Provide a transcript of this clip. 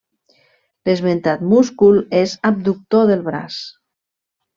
L'esmentat múscul és abductor del braç.